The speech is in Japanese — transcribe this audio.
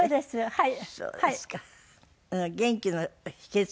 はい。